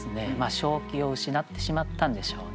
正気を失ってしまったんでしょうね。